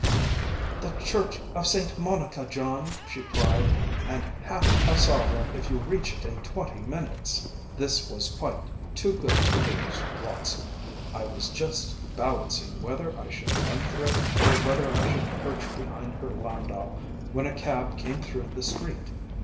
‚Äú‚ÄėThe Church of St. Monica, John,’ she cried, ‚Äėand half a sovereign if you reach it in twenty minutes.’ “This was quite too good to lose, Watson. I was just balancing whether I should run for it, or whether I should perch behind her landau when a cab came through the street.